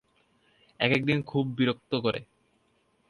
একেক দিন খুব বিরক্ত করে।